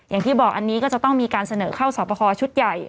อย่างที่บอกอันนี้ก็จะต้องมีการเสนอเข้าสอบประคอชุดใหญ่